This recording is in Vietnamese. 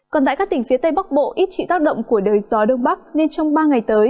còn tại các tỉnh phía tây bắc bộ ít chịu tác động của đời gió đông bắc nên trong ba ngày tới